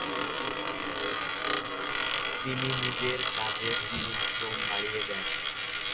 তিনি নিজের কাজে দ্বিগুণ শ্রম বাড়িয়ে দেন।